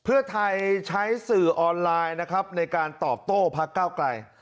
เผือไทยใช้สื่อออนไลน์ในการตอบโต้ภาคเก้าใกล้